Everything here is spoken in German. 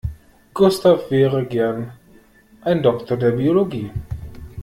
Gustav wäre gern ein Doktor der Biologie.